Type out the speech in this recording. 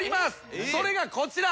それがこちら。